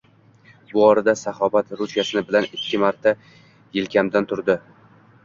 Bu orada Sabohat ruchkasini bilan ikki marta elkamdan turtdi